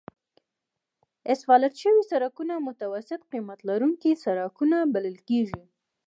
اسفالت شوي سړکونه متوسط قیمت لرونکي سړکونه بلل کیږي